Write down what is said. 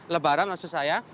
lebaran maksud saya